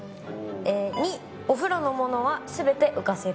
２、お風呂のものはすべて浮かせる。